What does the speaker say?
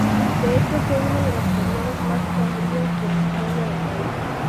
De hecho, fue uno de los períodos más sombríos de la historia del país.